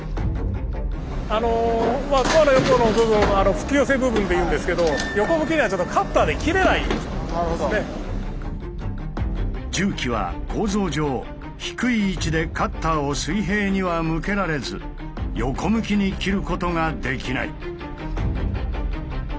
あのまあドアの横の部分は吹寄部分っていうんですけど重機は構造上低い位置でカッターを水平には向けられず横向きに切ることができない。